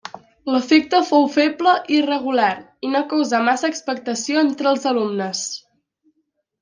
L'efecte fou feble i irregular i no causà massa expectació entre els alumnes.